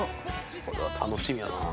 これは楽しみやなぁ。